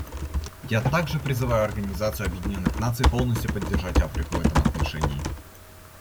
Я также призываю Организацию Объединенных Наций полностью поддержать Африку в этом отношении.